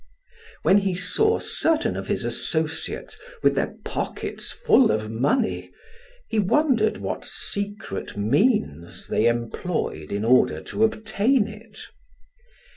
When he saw certain of his associates with their pockets full of money, he wondered what secret means they employed in order to obtain it.